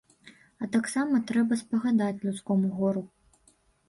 А таксама трэба спагадаць людскому гору.